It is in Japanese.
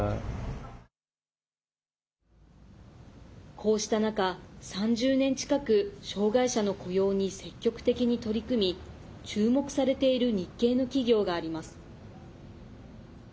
こうした中、３０年近く障害者の雇用に積極的に取り組み注目されている日系の企業があります。